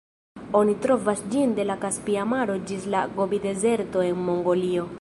Oni trovas ĝin de la Kaspia maro ĝis la Gobi-dezerto en Mongolio.